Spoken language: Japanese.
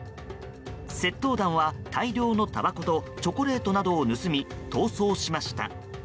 窃盗団は大量のたばことチョコレートなどを盗み逃走しました。